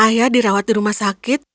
ayah dirawat di rumah sakit